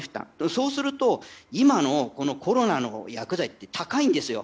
そうすると今のコロナの薬剤って高いんですよ。